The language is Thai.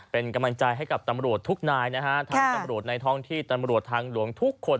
เป็นกำลังใจให้กับตำรวจทุกนายนะฮะทั้งตำรวจในท้องที่ตำรวจทางหลวงทุกคน